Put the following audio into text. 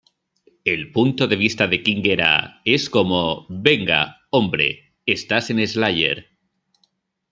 El punto de vista de King era; "Es como, venga, hombre, estás en Slayer.